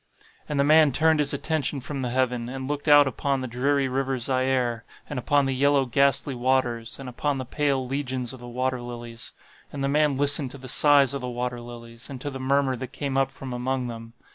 "And the man turned his attention from the heaven, and looked out upon the dreary river Zaire, and upon the yellow ghastly waters, and upon the pale legions of the water lilies. And the man listened to the sighs of the water lilies, and to the murmur that came up from among them.